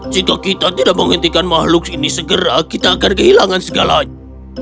jika kita tidak menghentikan makhluk ini segera kita akan kehilangan segalanya